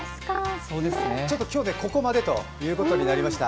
今日、ここまでということになりました。